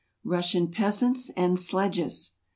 Russian Peasants and Sledges